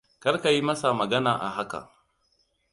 Kar ka yi masa magana a haka.